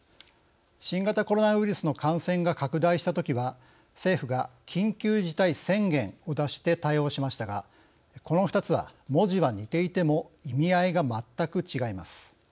新型コロナウイルスの感染が拡大したときは政府が「緊急事態宣言」を出して対応しましたがこの２つは、文字は似ていても意味合いが全く違います。